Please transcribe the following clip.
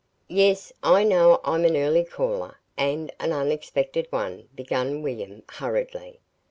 "Yes, I know I'm an early caller, and an unexpected one," began William, hurriedly.